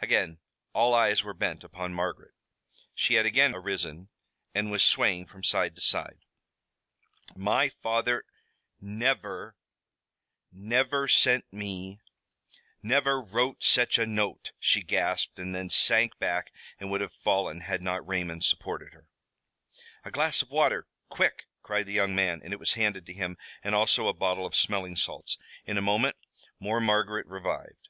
Again all eyes were bent upon Margaret. She had again arisen and was swaying from side to side. "My father never never sent me never wrote such a note " she gasped, and then sank back and would have fallen had not Raymond supported her. "A glass of water, quick!" cried the young man, and it was handed to him, and also a bottle of smelling salts. In a moment more Margaret revived.